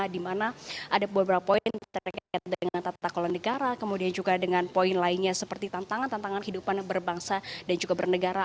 di mana ada beberapa poin terkait dengan tata kelola negara kemudian juga dengan poin lainnya seperti tantangan tantangan kehidupan berbangsa dan juga bernegara